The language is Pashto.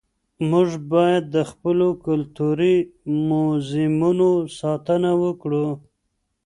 موږ باید د خپلو کلتوري موزیمونو ساتنه وکړو.